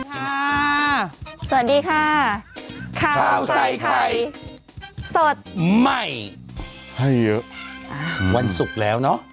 สวัสดีค่ะข้าวใส่ไข่สดใหม่ให้เยอะวันศุกร์แล้วเนอะ